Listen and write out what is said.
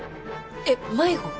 えっ迷子？